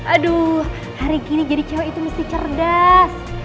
aduh hari gini jadi cewek itu mesti cerdas